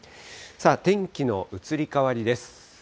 天気の移り変わりです。